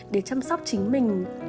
để chăm sóc chính mình